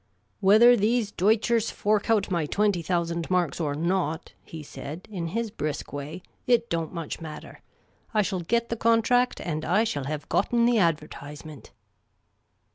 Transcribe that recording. " Whether these Deutschers fork out my twenty thousand marks or not," he said, in his brisk way, " it don't much matter. I shall get the contract, and I shall hev gotten the adver/Z^nnent